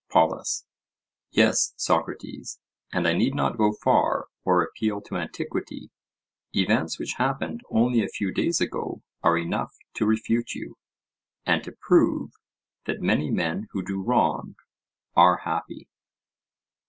POLUS: Yes, Socrates, and I need not go far or appeal to antiquity; events which happened only a few days ago are enough to refute you, and to prove that many men who do wrong are happy.